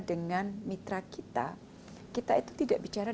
dengan mitra kita kita itu tidak bicara